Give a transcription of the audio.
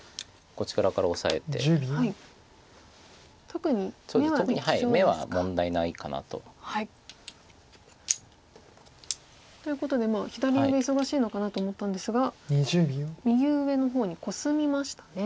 特に眼は問題ないかなと。ということで左上忙しいのかなと思ったんですが右上の方にコスみましたね。